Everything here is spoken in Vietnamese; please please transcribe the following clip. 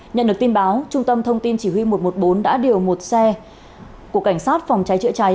nhận được tin báo trung tâm thông tin chỉ huy một trăm một mươi bốn đã điều một xe của cảnh sát phòng cháy chữa cháy